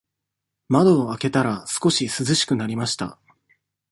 窓を開けたら、少し涼しくなりました。